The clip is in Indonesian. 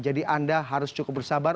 jadi anda harus cukup bersabar